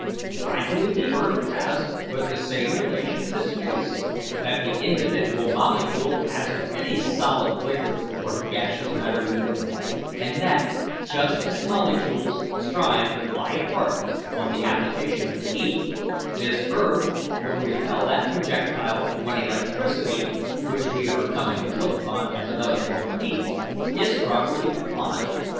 I believe the earth has but the same relation to space that the individual molecule has to any solid, liquid, or gaseous matter we know; and that, just as molecules strive to fly apart on the application of heat, this earth will repel that projectile when electricity, which we are coming to look upon as another form of heat, is properly applied.